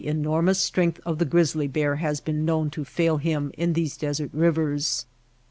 enormous strength of the grizzly bear has been known to fail him in these desert rivers.